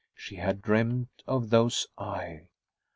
She had dreamed of those eyes.